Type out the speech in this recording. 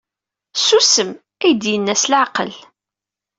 Susem, ay d-yenna s leɛqel.